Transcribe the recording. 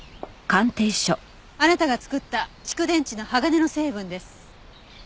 あなたが作った蓄電池の鋼の成分です。